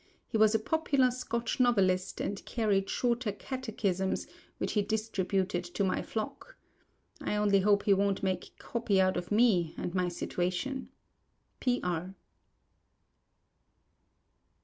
He was a popular Scotch novelist, and carried Shorter Catechisms, which he distributed to my flock. I only hope he won't make "copy" out of me and my situation. P. R.